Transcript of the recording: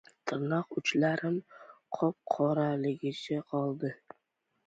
Tirnoq uchlarim qop-qoraligicha qoldi.